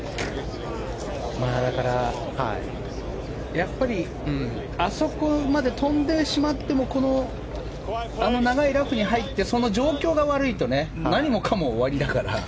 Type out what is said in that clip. やっぱり、あそこまで飛んでしまっても長いラフに入ってその状況が悪いと何もかも終わりだから。